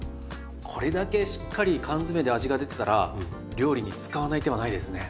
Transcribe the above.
これだけしっかり缶詰で味が出てたら料理に使わない手はないですね。